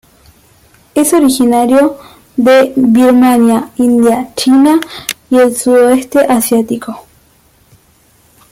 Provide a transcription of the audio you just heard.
Es originario de Birmania, India, China y el sudeste asiático.